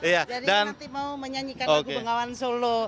jadi nanti mau menyanyikan lagu bengawan solo